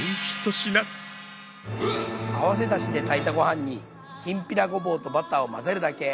合わせだしで炊いたご飯にきんぴらごぼうとバターを混ぜるだけ。